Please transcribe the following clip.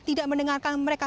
tidak mendengarkan mereka